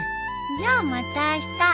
じゃあまたあした。